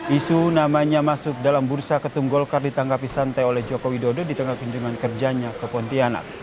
isu namanya masuk dalam bursa ketum golkar ditanggapi santai oleh joko widodo di tengah kunjungan kerjanya ke pontianak